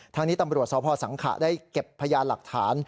ทางนี้ตำรวจสพสังขะได้เก็บพยานหลักฐาน